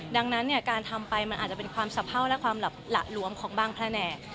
ดังนั้นเนี่ยการทำไปมันอาจจะเป็นความสะเภาและความหละหลวมของบางแผนก